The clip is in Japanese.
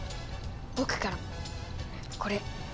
僕からもこれ。